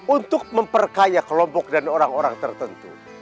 untuk memperkaya kelompok dan orang orang tertentu